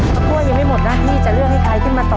กล้วยยังไม่หมดหน้าที่จะเลือกให้ใครขึ้นมาต่อ